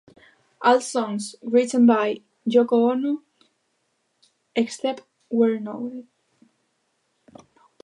All songs written by Yoko Ono, except where noted.